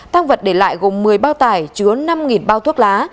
tăng vật để lại gồm một mươi bao tải chứa năm bao thuốc lá